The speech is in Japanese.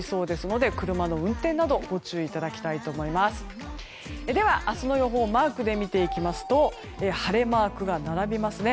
では明日の予報をマークで見ていきますと晴れマークが並びますね。